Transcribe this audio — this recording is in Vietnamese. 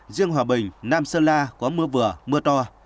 riêng hòa bình nam sơn la có mưa vừa mưa to